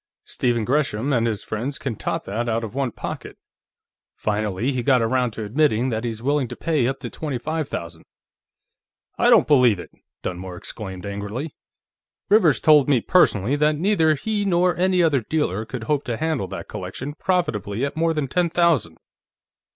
Stephen Gresham and his friends can top that out of one pocket. Finally, he got around to admitting that he's willing to pay up to twenty five thousand." "I don't believe it!" Dunmore exclaimed angrily. "Rivers told me personally, that neither he nor any other dealer could hope to handle that collection profitably at more than ten thousand."